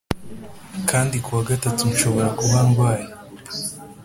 kandi kuwagatatu nshobora kuba ndwaye